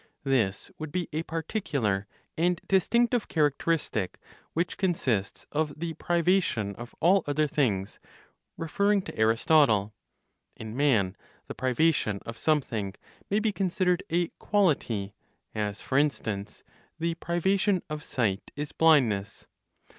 This would be a particular and distinctive characteristic, which consists of the privation of all other things (referring to Aristotle)? In man, the privation of something may be considered a quality; as, for instance, the privation of sight is blindness.